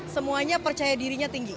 semuanya percaya dirinya tinggi